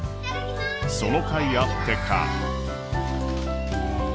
そのかいあってか。